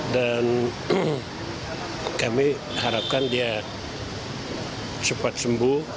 dan kami harapkan dia cepat sembuh